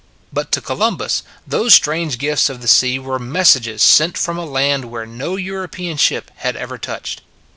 But to Columbus those strange gifts of the sea were messages sent from a land where no European ship had ever touched.